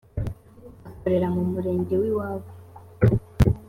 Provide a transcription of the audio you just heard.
akorera mu murenge w’iwabo